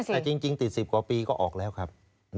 แต่จริงติด๑๐กว่าปีก็ออกแล้วครับ